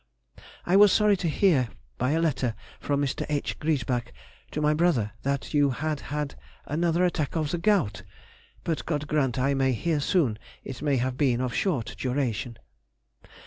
I was sorry to hear by a letter from Mr. H. Griesbach to my brother that you had had another attack of the gout, but God grant I may hear soon it may have been of short duration.